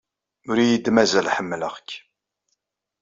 Ur iyi-d-mazal ḥemmleɣ-k.